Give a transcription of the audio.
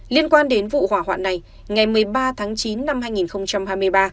liên quan đến vụ hỏa hoạn này ngày một mươi ba tháng chín năm hai nghìn hai mươi ba